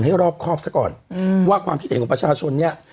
ให้รอบครอบซะก่อนอืมว่าความคิดเห็นของประชาชนเนี่ย